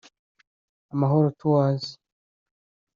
Amahoro Tours